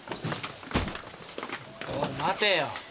おい待てよ。